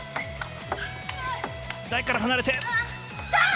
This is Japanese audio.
台から離れて。